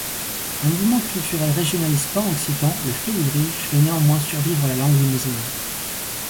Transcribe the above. Un mouvement culturel régionaliste pan-occitan, le Félibrige, fait néanmoins survivre la langue limousine.